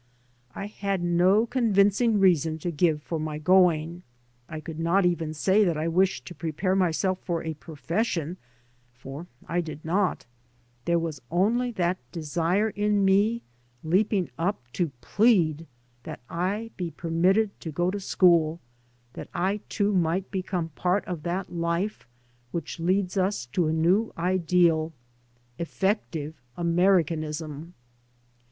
I had no con vincing reason to g^ve for my going. I could not even say that I wished to prepare myself for a profession, for I did not. There was 3 by Google MY MOTHER AND I only that desire in me leaping up to plead that I be permitted to go to school, that I too might become part of that life which leads to a new ideal: effective Americanism.